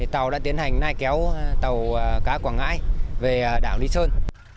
tàu đã tiến hành nai kéo tàu cá quảng ngãi về đảo lý sơn